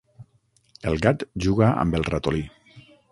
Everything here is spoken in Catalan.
El gat juga amb el ratolí.